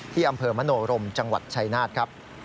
ที่อำเภอมโนรมจังหวัดชายนาฏครับ